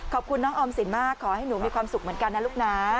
ขอบคุณน้องออมสินมากขอให้หนูมีความสุขเหมือนกันนะลูกนะ